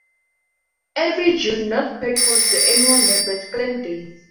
Every June, North Platte hosts the annual "Nebraskaland Days".